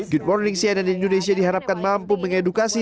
good morning cnn indonesia diharapkan mampu mengedukasi